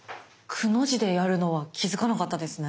「く」の字でやるのは気付かなかったですね。